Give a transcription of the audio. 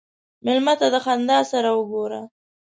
مېلمه ته د خندا سره وګوره.